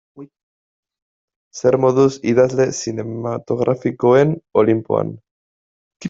Zer moduz idazle zinematografikoen olinpoan?